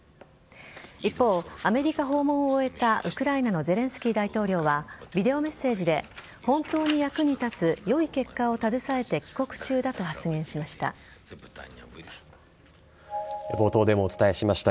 一方、アメリカ訪問を終えたウクライナのゼレンスキー大統領はビデオメッセージで本当に役に立つ良い結果を携えて帰国中だと発言しました。